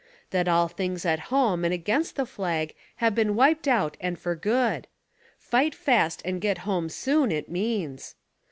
That all things at home and against the flag have been wiped out and for good : "Fight fast and get home soon it means."